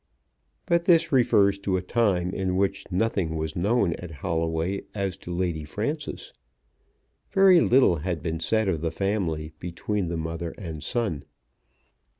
But this refers to a time in which nothing was known at Holloway as to Lady Frances. Very little had been said of the family between the mother and son.